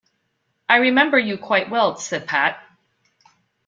“I remember you quite well,” said Pat.